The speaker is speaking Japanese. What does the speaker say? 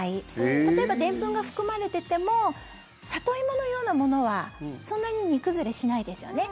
例えば、でんぷんが含まれててもサトイモのようなものはそんなに煮崩れしないですよね。